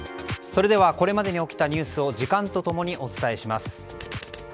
それではこれまでに起きたニュースを時間と共にお伝えします。